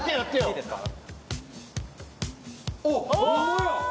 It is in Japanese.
いいですか？